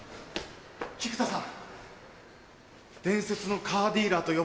菊田さん。